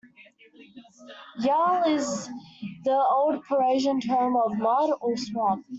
'Ylow' is the Old Prussian term for 'mud' or 'swamp'.